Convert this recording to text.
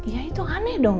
ya itu aneh dong